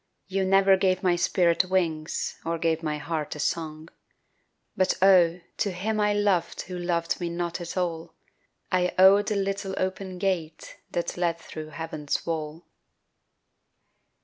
You never gave my spirit wings Or gave my heart a song. But oh, to him I loved Who loved me not at all, I owe the little open gate That led thru heaven's wall.